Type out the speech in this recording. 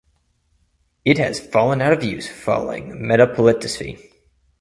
It has fallen out of use following Metapolitefsi.